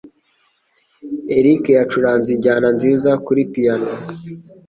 Eric yacuranze injyana nziza kuri piyano.